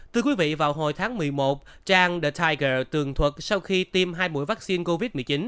từ quý vị vào hồi tháng một mươi một trang the tiger tường thuật sau khi tiêm hai mũi vaccine covid một mươi chín